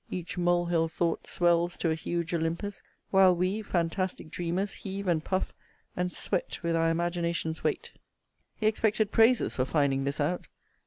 Each mole hill thought swells to a huge Olympus; While we, fantastic dreamers, heave and puff, And sweat with our imagination's weight. He expected praises for finding this out.